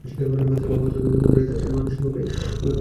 তার বাবা হতবাক হয়ে বুঝতে পারে যে তার ছেলে মানসিকভাবে অক্ষম।